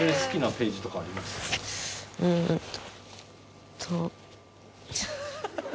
うんと。